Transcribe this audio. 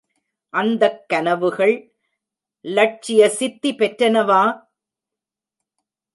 அந்தக் கனவுகள் லட்சியசித்தி பெற்றனவா?